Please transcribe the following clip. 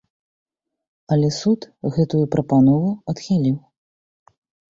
Але суд гэтую прапанову адхіліў.